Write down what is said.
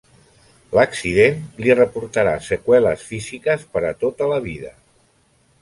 L'accident li reportarà seqüeles físiques per a tota la vida.